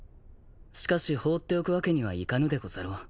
しかし放っておくわけにはいかぬでござろう。